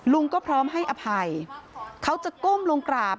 ก็พร้อมให้อภัยเขาจะก้มลงกราบ